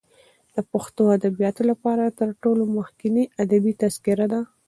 د پښتو ادبیاتو لپاره تر ټولو مخکنۍ ادبي تذکره ده.